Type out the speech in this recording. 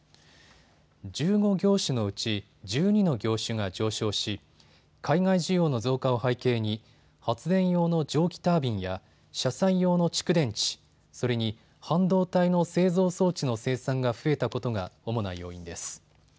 １５業種のうち１２の業種が上昇し海外需要の増加を背景に発電用の蒸気タービンや車載用の蓄電池、それに半導体の製造装置の生産が増えたことが主な要因です。